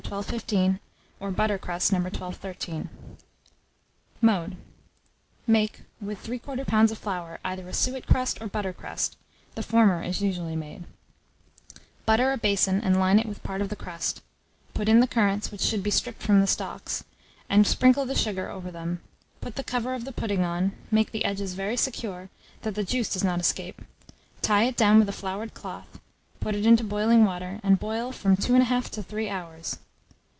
1215, or butter crust No. 1213. Mode. Make, with 3/4 lb. of flour, either a suet crust or butter crust (the former is usually made); butter a basin, and line it with part of the crust; put in the currants, which should be stripped from the stalks, and sprinkle the sugar over them; put the cover of the pudding on; make the edges very secure, that the juice does not escape; tie it down with a floured cloth, put it into boiling water, and boil from 2 1/2 to 3 hours.